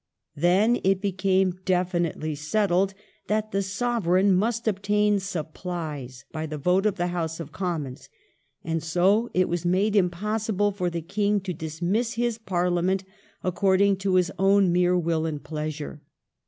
Then it became definitely settled that the Sovereign must obtain supplies by the vote of the House of Commons, and so it was made impossible for the King to dismiss his Parlia ment according to his own mere will and pleasure.